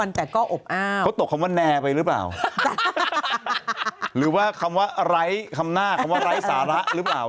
หนูก็บอกพี่หนุ่มเขาไม่ให้แล้ว